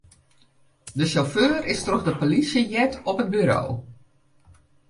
De sjauffeur is troch de polysje heard op it buro.